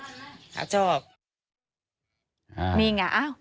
เลขทะเบียนรถจากรยานยนต์